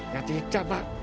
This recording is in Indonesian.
ya tidak mbah